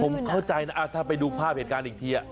ผมเข้าใจนะถ้าไปดูภาพเหตุการณ์อีกที